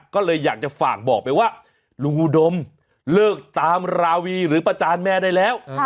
ก็เลยอยากจะฝากบอกไปว่าลุงอุดมเลิกตามราวีหรือประจานแม่ได้แล้ว